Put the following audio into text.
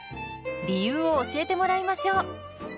理由を教えてもらいましょう。